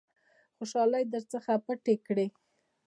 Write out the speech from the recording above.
خوشالۍ در څخه پټې کړي .